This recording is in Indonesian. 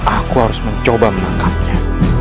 aku harus mencoba melangkapnya